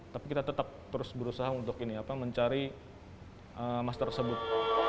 tapi kita tetap terus berusaha untuk ini apa mencari master tersebut